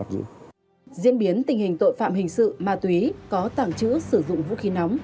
diễn biến tình hình tội phạm hình sự ma túy có tàng trữ sử dụng vũ khí nóng